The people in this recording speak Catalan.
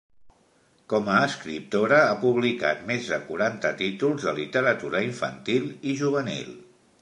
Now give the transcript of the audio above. Com a escriptora ha publicat més de quaranta títols de literatura infantil i juvenil.